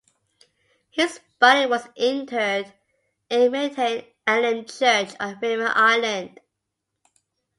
His body was interred in Medhane Alem church on Rema Island.